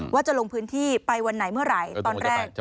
ว่าจะลงพื้นที่ไปวันไหนเมื่อไหร่ตอนแรก